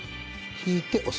引いて押す。